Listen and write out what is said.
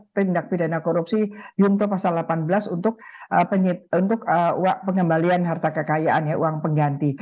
tindak pidana korupsi yunto pasal delapan belas untuk pengembalian harta kekayaan ya uang pengganti